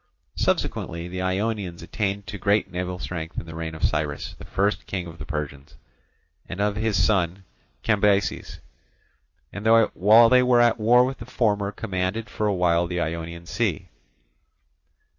Subsequently the Ionians attained to great naval strength in the reign of Cyrus, the first king of the Persians, and of his son Cambyses, and while they were at war with the former commanded for a while the Ionian sea.